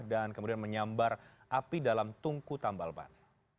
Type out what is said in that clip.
dan kemudian menyambar api dalam tungku tambal ban